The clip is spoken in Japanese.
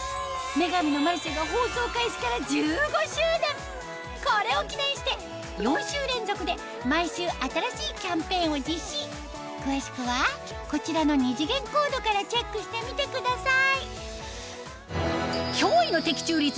『女神のマルシェ』が放送開始から１５周年これを記念して４週連続で毎週新しいキャンペーンを実施詳しくはこちらの２次元コードからチェックしてみてください